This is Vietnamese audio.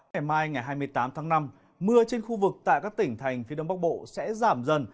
ngày mai ngày hai mươi tám tháng năm mưa trên khu vực tại các tỉnh thành phía đông bắc bộ sẽ giảm dần